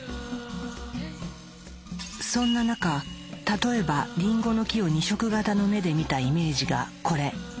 そんな中例えばリンゴの木を２色型の目で見たイメージがこれ。